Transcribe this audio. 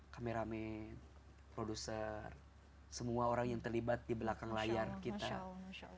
kameramen produser semua orang yang terlibat di belakang layar kita